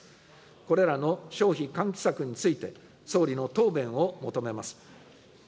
これらの消費喚起策について、総理の答弁を求めます。